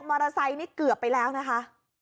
อเตอร์ไซค์นี่เกือบไปแล้วนะคะ